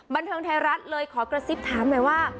บันเทิงไทยรัฐเลยขอกระซิบถามหน่อยว่า